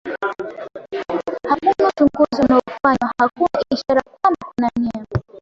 hakuna uchunguzi unaofanywa hakuna ishara kwamba kuna nia